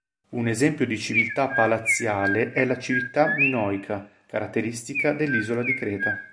Un esempio di civiltà palaziale è la civiltà minoica, caratteristica dell'isola di Creta.